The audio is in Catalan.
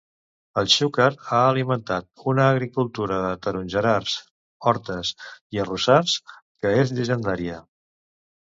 El Xúquer ha alimentat una agricultura de tarongerars, hortes i arrossars que és llegendària.